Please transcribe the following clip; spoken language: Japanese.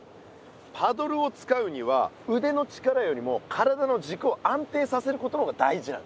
パドルを使うにはうでの力よりも体のじくを安定させることの方が大事なの。